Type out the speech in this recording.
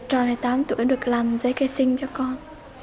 rồi một mươi tám tuổi được làm giấy kê sinh cho con